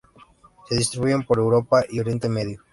Se distribuyen por Europa y Oriente Medio.